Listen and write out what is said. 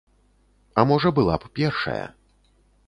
А можа была б першая.